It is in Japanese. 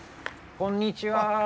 こんにちは。